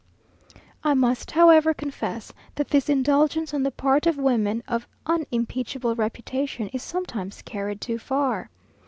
I must, however, confess that this indulgence on the part of women of unimpeachable reputation is sometimes carried too far.